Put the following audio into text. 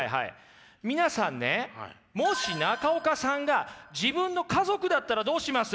皆さんねもし中岡さんが自分の家族だったらどうします？